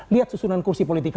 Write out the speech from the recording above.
lihat susunan kursi politik